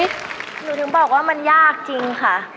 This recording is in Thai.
หนูถึงบอกว่ามันยากจริงค่ะ